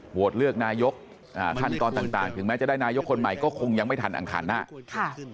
โหวตเลือกนายกอ่าขั้นตอนต่างถึงแม้จะได้นายกคนใหม่ก็คงยังไม่ทันอังคารหน้าค่ะ